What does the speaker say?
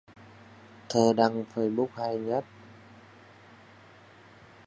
Thơ đăng facebook hay nhất